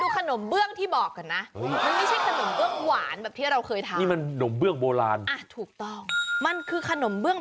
ขนมเบื้องแบบนี้เน้นแบบแป้ง